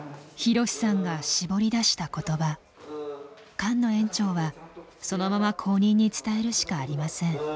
菅野園長はそのまま後任に伝えるしかありません。